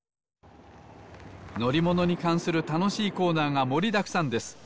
のりものにかんするたのしいコーナーがもりだくさんです。